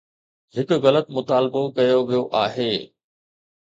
هڪ غلط مطالبو ڪيو ويو آهي